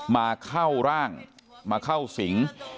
มาเข้าร่างมาเข้าสิง